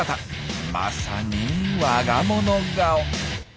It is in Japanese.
まさにわが物顔。